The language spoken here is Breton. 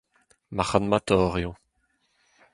Marc'hadmatoc'h eo.